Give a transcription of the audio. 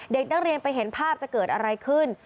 เด็กนักเรียนไปเห็นภาพจะเกิดอะไรขึ้น